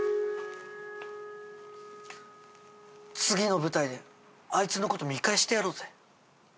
次の舞台であいつのこと見返してやろうぜ。